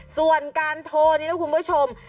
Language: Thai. ส่วนการโทรนี้นะคุณผู้ชม